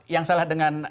yang salah dengan